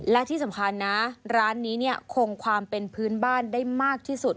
ร้านนี้เนี่ยคงความเป็นพื้นบ้านได้มากที่สุด